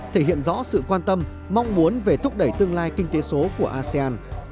thể hiện rõ sự quan tâm mong muốn về thúc đẩy tương lai kinh tế số của asean